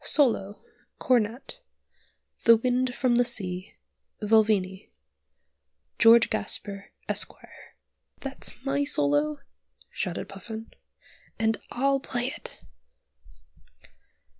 SOLO (Cornet) 'The Wind from the Sea,' Vulvini George Gasper, Esq." "That's my solo," shouted Puffin; "and I'll play it!"